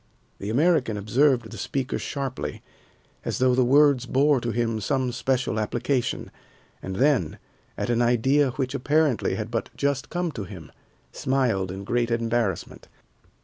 The American observed the speaker sharply, as though the words bore to him some special application, and then at an idea which apparently had but just come to him, smiled in great embarrassment.